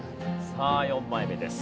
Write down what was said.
さあ４枚目です。